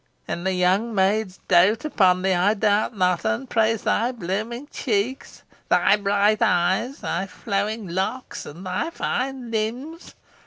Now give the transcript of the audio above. And the young maids doat upon thee, I doubt not, and praise thy blooming cheeks, thy bright eyes, thy flowing locks, and thy fine limbs.